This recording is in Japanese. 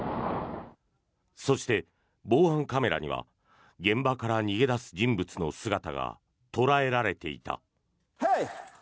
そして、防犯カメラには現場から逃げ出す人物の姿が捉えられていた。